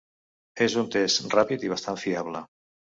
És un test ràpid i bastant fiable.